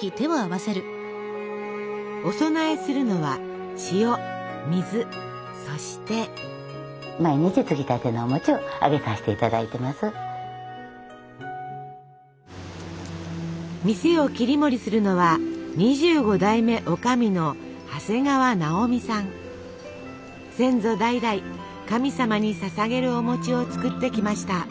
お供えするのは塩水そして。店を切り盛りするのは２５代目先祖代々神様にささげるお餅を作ってきました。